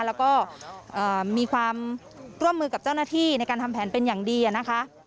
แล้วก็มีความร่วมมือกับเจ้าหน้าที่ในการทำแผนเป็นอย่างดีนะคะ